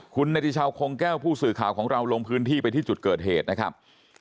คุณเนติชาวคงแก้วผู้สื่อข่าวของเราลงพื้นที่ไปที่จุดเกิดเหตุนะครับ